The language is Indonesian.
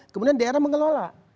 kemudian daerah mengelola